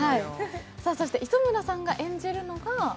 そして磯村さんが演じるのが？